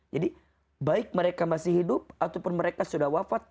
jadi baik mereka masih hidup ataupun mereka sudah wafat